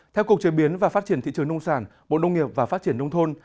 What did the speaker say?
theo cục chế biến và phát triển thị trường nông sản bộ nông nghiệp và phát triển nông thôn